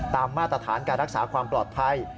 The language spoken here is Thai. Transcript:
มาตรฐานการรักษาความปลอดภัย